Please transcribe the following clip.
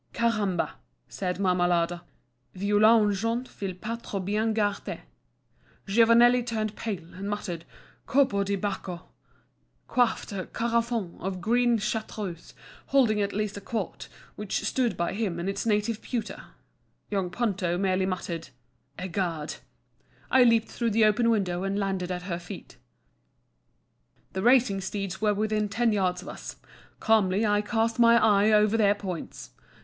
"Caramba!" said Marmalada, "voilà une jeune fille pas trop bien gardée!" Giovanelli turned pale, and, muttering Corpo di Bacco, quaffed a carafon of green Chartreuse, holding at least a quart, which stood by him in its native pewter. Young Ponto merely muttered, "Egad!" I leaped through the open window and landed at her feet. The racing steeds were within ten yards of us. Calmly I cast my eye over their points.